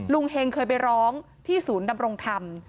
เฮงเคยไปร้องที่ศูนย์ดำรงธรรม